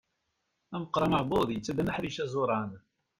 Ameqqran n uɛebbuḍ, yettaddam aḥric azuran.